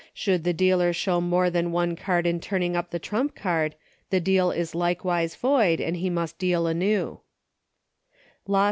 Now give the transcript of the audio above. Should the dealer show more than one card in turning up the trump card the deal is likewise void, and he must deal anew Law VI.